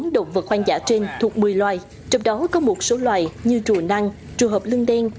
hai mươi bốn động vật hoang dã trên thuộc một mươi loài trong đó có một số loài như trù năng trù hợp lưng đen